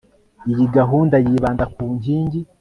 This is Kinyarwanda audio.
iyi gahunda yibanda ku nkingi